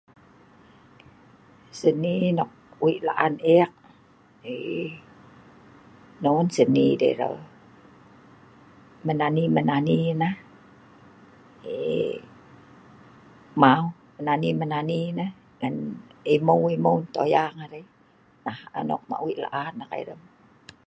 Seni nok wei' la'an ek eee non Seni dei' reo' menani menani nah eee mau menani menani nah ngan imeu' imeu' en toyang arai, nah anok mah' wei' la'an ek ai rem.